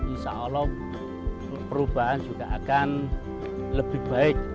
insya allah perubahan juga akan lebih baik